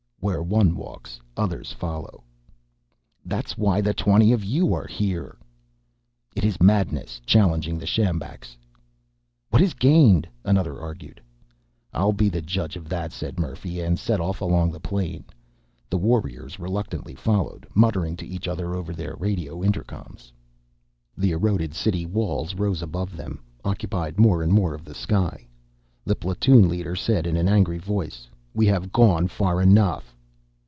"Where one walks, others follow." "That's why the twenty of you are here." "It is madness! Challenging the sjambaks!" "What is gained?" another argued. "I'll be the judge of that," said Murphy, and set off along the plain. The warriors reluctantly followed, muttering to each other over their radio intercoms. The eroded city walls rose above them, occupied more and more of the sky. The platoon leader said in an angry voice, "We have gone far enough."